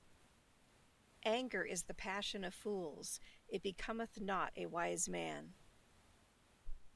Anger is the passion of fools; it becometh not a wise man.